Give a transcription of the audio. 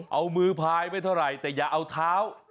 เอามือพายไม่เท่าไหร่แต่อย่าเอาเท้า